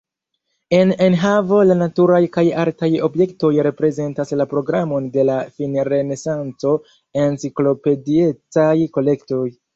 En enhavo la naturaj kaj artaj objektoj reprezentas la programon de la finrenesanco-enciklopediecaj kolektoj.